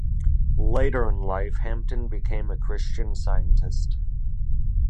Later in life Hampton became a Christian Scientist.